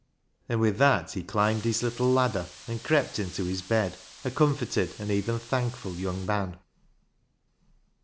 And with that he climbed his little ladder, and crept into his bed a comforted and even thankful young man.